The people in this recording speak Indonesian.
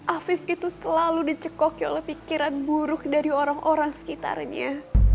afif itu selalu dicekoki oleh pikiran buruk dari orang orang sekitarnya